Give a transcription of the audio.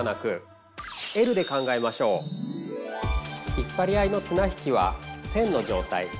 引っ張り合いのつな引きは線の状態。